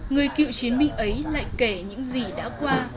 người cựu chiến binh ấy lại kể những gì đã qua